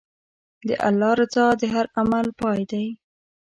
د الله رضا د هر عمل پای دی.